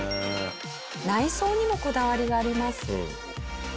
内装にもこだわりがあります。